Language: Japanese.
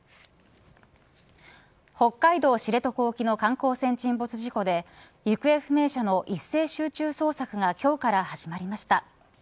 北海道知床沖の観光船沈没事故で行方不明者の一斉集中捜索が今日から始まりました。